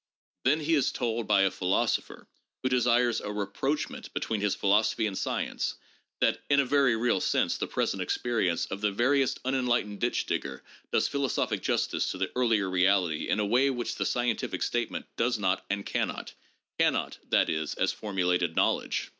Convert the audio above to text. And then he is told by a philosopher, who desires a rapproche ment between his philosophy and science, that " in a very real sense, the present experience of the veriest unenlightened ditch digger does philosophic justice to the earlier reality in a way which the scientific statement does not and cannot: cannot, that is, as formulated knowledge